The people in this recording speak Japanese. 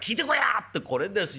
ってこれですよ」。